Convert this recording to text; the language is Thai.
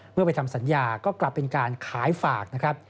เมื่อไปทำสัญญาก็กลับเป็นการขายฝากนะครับ